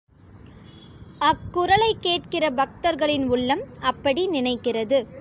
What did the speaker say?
அக்குரலைக் கேட்கிற பக்தர்களின் உள்ளம் அப்படி நினைக்கிறது.